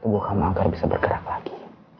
tubuh kamu agar bisa bergerak lagi